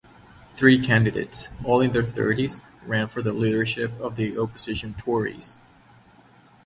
Three candidates, all in their thirties, ran for the leadership of the opposition Tories.